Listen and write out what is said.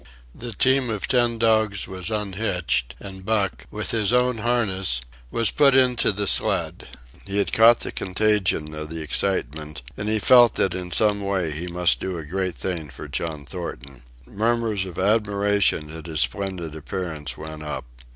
The team of ten dogs was unhitched, and Buck, with his own harness, was put into the sled. He had caught the contagion of the excitement, and he felt that in some way he must do a great thing for John Thornton. Murmurs of admiration at his splendid appearance went up.